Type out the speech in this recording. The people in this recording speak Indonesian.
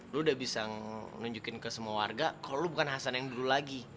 lu udah bisa nunjukin ke semua warga kalau lo bukan hasan yang dulu lagi